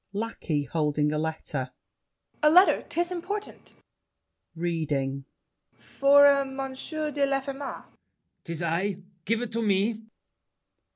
LACKEY (holding a letter). A letter! 'Tis important! [Reading.] For a Monsieur de Laffemas. LAFFEMAS. 'Tis I! Give it to me!